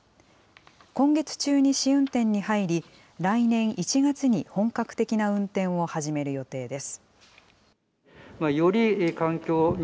今月中に試運転に入り、来年１月に本格的な運転を始める予定です。